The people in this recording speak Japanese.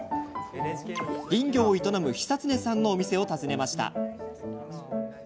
林業を営む久恒さんのお店を訪ねました。